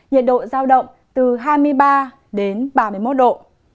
nhiệt độ giao động từ hai mươi ba đến ba mươi một độ